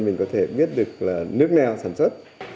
mình có thể biết được là nước nào sản xuất